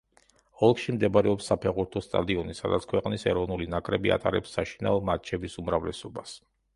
ოლქში მდებარეობს საფეხბურთო სტადიონი, სადაც ქვეყნის ეროვნული ნაკრები ატარებს საშინაო მატჩების უმრავლესობას.